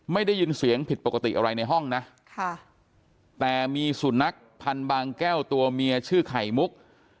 ไม่ได้ยินเสียงผิดปกติอะไรในห้องนะแต่มีสุนัขพันธ์บางแก้วตัวเมียชื่อไข่มุก